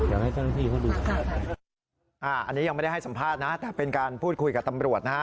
อันนี้ยังไม่ได้ให้สัมภาษณ์นะแต่เป็นการพูดคุยกับตำรวจนะฮะ